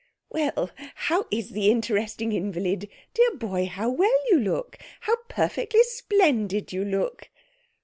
'Well, how is the interesting invalid? Dear boy, how well you look! How perfectly splendid you look!'